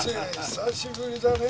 久しぶりだね。